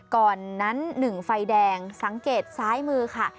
ก่อนนั้น๑ไฟแดงสังเกตซ้ายมือค่ะ